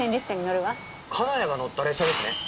金谷が乗った列車ですね？